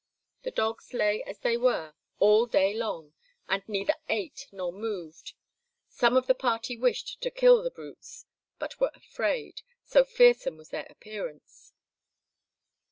The dogs lay as they were all day long, and neither ate nor moved. Some of the party wished to kill the brutes, but were afraid, so fearsome was their appearance.